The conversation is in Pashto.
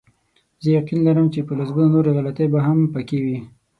زه یقین لرم چې په لسګونو نورې غلطۍ به هم پکې وي.